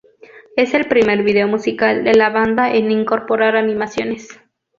Es el primer video musical de la banda en incorporar animaciones.